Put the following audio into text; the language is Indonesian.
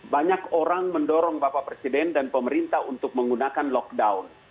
banyak orang mendorong bapak presiden dan pemerintah untuk menggunakan lockdown